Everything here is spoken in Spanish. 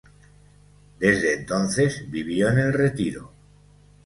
Desde entonces vivió en el retiro.